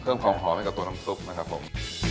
เพิ่มความหอมให้กับตัวน้ำซุปนะครับผม